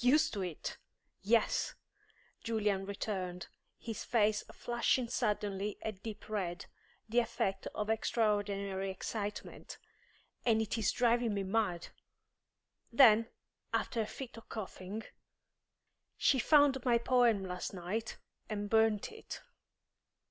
"Used to it! Yes," Julian returned, his face flushing suddenly a deep red, the effect of extraordinary excitement; "and it is driving me mad." Then, after a fit of coughing "She found my poem last night, and burnt it."